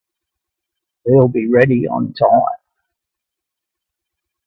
He'll be ready on time.